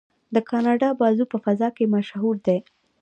د کاناډا بازو په فضا کې مشهور دی.